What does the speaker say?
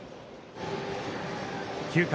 ９回。